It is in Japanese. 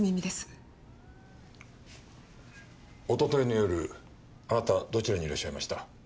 一昨日の夜あなたどちらにいらっしゃいました？